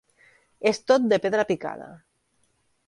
És tot de pedra picada.